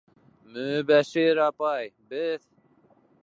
— Мө-Өбәшир апай, беҙ...